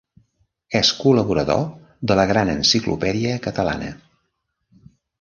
És col·laborador de la Gran Enciclopèdia Catalana.